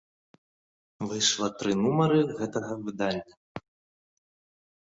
Выйшла тры нумары гэтага выдання.